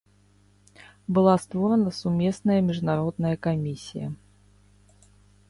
Была створана сумесная міжнародная камісія.